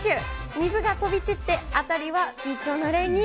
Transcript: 水が飛び散って、辺りはびちょぬれに。